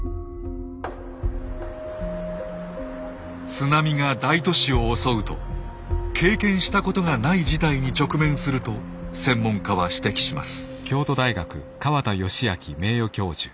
津波が大都市を襲うと経験したことがない事態に直面すると専門家は指摘します。